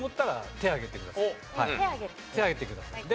手挙げてください。